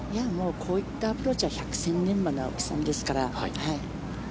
こういったアプローチは百戦錬磨の青木さんですから。